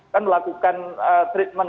kan melakukan treatment